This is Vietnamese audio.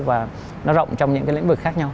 và nó rộng trong những cái lĩnh vực khác nhau